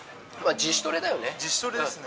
自主トレですね。